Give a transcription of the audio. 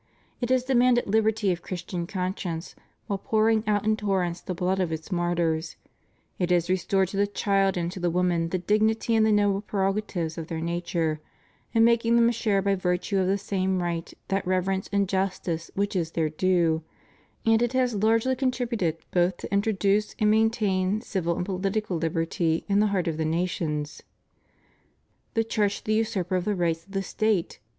It has demanded Uberty of Christian conscience while pouring out in torrents the blood of its martyrs; it has restored to the child and to the woman the dignity and the noble prerogatives of their nature in making them share by virtue of the same right that reverence and justice which is their due, and it has largely contributed, both to introduce and maintain civil and political Hberty in the heart of the nations. The Church the usurper of the rights of the State